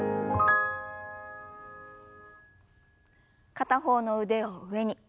片方の腕を上に。